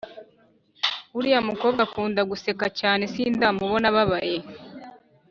Uriya mukobwa akunda guseka cyane sindamubona ababaye